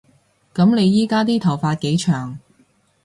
噉你而家啲頭髮幾長